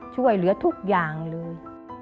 ช่วยเหลือทุกอย่างเลย